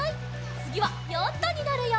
つぎはヨットになるよ！